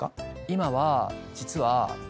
今は実は。